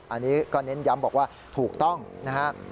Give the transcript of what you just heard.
อันนี้ก็เน้นย้ำบอกว่าถูกต้องนะครับ